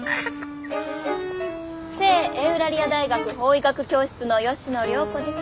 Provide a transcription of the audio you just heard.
聖エウラリア大学法医学教室の吉野涼子です。